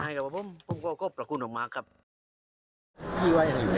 พี่ว่ายังอยู่ในเมืองไทยนะ